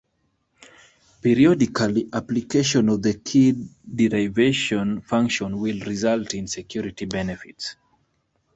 Periodical application of the key derivation function will result in security benefits.